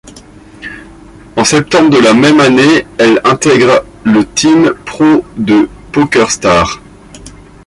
En septembre de la même année, elle intègre le Team Pro de PokerStars.